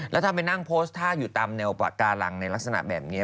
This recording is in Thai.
แล้วถ้าไปนั่งโพสต์ท่าอยู่ตามแนวปากการังในลักษณะแบบนี้